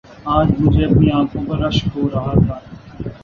آج مجھے اپنی انکھوں پر رشک ہو رہا تھا